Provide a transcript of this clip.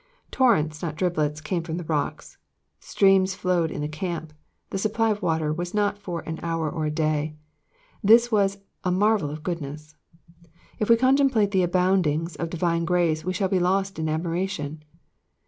Torrents, not driblets came from the rocks. Streams followed the camp ; the supply was not for an hour or a day. This was a marvel of goodness. If we contemplate the aboundings of divine grace we shall be lost in admira tion.